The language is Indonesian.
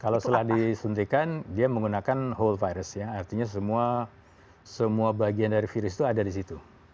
kalau setelah disuntikan dia menggunakan whole virus ya artinya semua bagian dari virus itu ada di situ